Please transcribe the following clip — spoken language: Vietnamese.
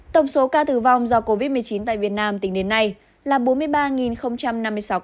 tổng số ca tử vong do covid một mươi chín tại việt nam tính đến nay là bốn mươi ba năm mươi sáu ca